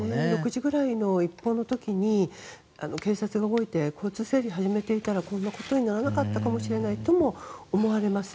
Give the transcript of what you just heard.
６時ぐらいの一報の時に警察が交通整理を始めていたらこんなことにならなかったかもと思われます。